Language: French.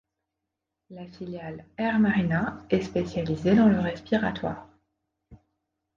La filiale Air Marina est spécialisée dans le respiratoire.